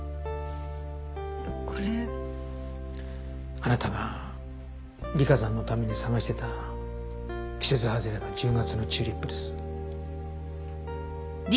あなたが理香さんのために探していた季節外れの１０月のチューリップです。